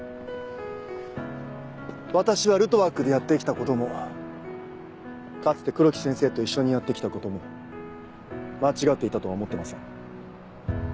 私はルトワックでやって来たこともかつて黒木先生と一緒にやって来たことも間違っていたとは思ってません。